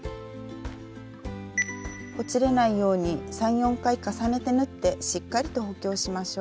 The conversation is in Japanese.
ほつれないように３４回重ねて縫ってしっかりと補強しましょう。